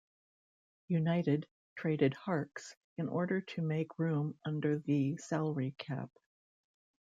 United traded Harkes in order to make room under the salary cap.